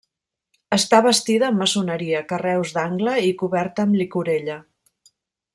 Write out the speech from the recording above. Està bastida amb maçoneria, carreus d'angle i coberta amb llicorella.